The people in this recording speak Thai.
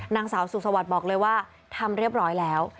นางสาวสุสวัสดิ์บอกเลยว่าทำเรียบร้อยแล้ว